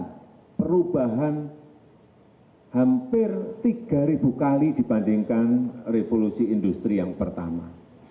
ada perubahan hampir tiga kali dibandingkan revolusi industri yang pertama